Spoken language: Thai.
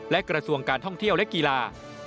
และกระทรวงการท่องเที่ยวและกีฬา